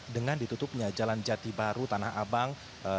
dengan ditutupnya jalan jati baru tanah abang